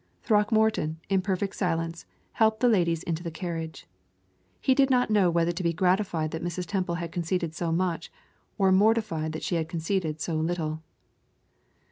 Throckmorton, in perfect silence, helped the ladies into the carriage. He did not know whether to be gratified that Mrs. Temple had conceded so much, or mortified that she had conceded so little.